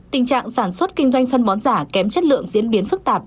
tình trạng sản xuất kinh doanh phân bón giả kém chất lượng diễn biến phức tạp